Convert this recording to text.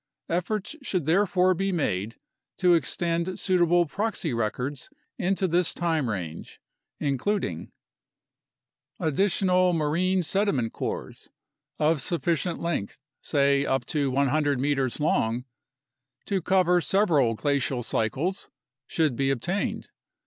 Efforts should therefore be made to extend suitable proxy records into this time range, including: Additional marine sediment cores of sufficient length (say, up to 100 m long) to cover several glacial cycles should be obtained.